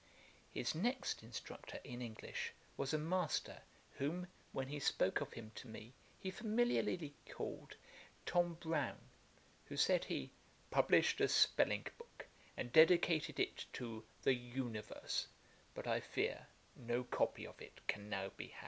His next instructor in English was a master, whom, when he spoke of him to me, he familiarly called Tom Brown, who, said he, 'published a spelling book, and dedicated it to the UNIVERSE; but, I fear, no copy of it can now be had.'